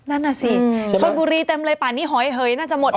นั่นน่ะสิชนบุรีเต็มเลยป่านนี้หอยเหยน่าจะหมด